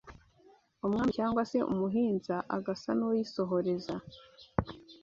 umwami cyangwa se umuhinza agasa n’uyisohoreza